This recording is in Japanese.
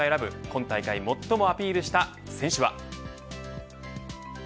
今大会最もアピールした選手は。